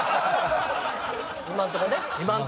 今んとこね。